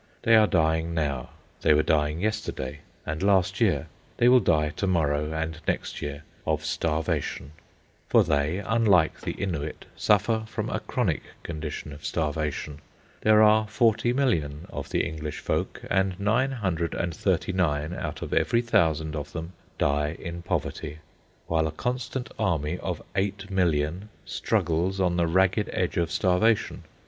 They are dying now, they were dying yesterday and last year, they will die to morrow and next year, of starvation; for they, unlike the Innuit, suffer from a chronic condition of starvation. There are 40,000,000 of the English folk, and 939 out of every 1000 of them die in poverty, while a constant army of 8,000,000 struggles on the ragged edge of starvation.